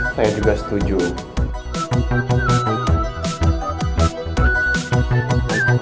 saya juga setuju